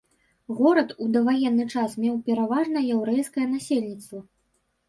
Горад у даваенны час меў пераважна яўрэйскае насельніцтва.